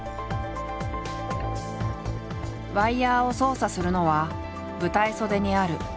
ワイヤーを操作するのは舞台袖にある綱元。